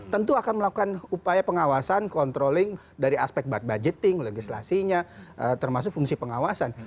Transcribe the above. tentu akan melakukan upaya pengawasan controlling dari aspek bud budgeting legislasinya termasuk fungsi pengawasan